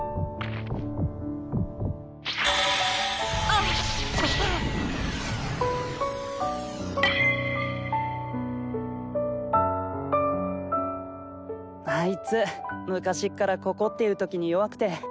現在あいつ昔っからここっていうときに弱くて。